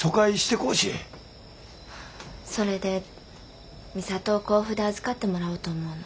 それで美里を甲府で預かってもらおうと思うの。